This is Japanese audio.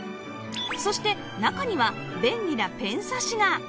そして中には便利なペン挿しが！